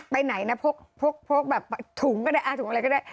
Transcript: ไปไหนนะพกแบบถุงก็ได้ถุงอะไรก็ได้